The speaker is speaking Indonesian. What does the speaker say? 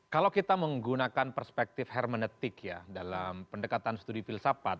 kalau kita menggunakan perspektif hermenetik ya dalam pendekatan studi filsafat